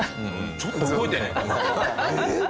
ちょっと動いてる？